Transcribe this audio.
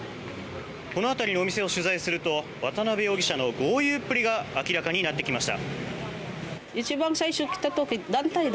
この辺りのお店を取材すると渡邉容疑者の豪遊っぷりが明らかになってきました。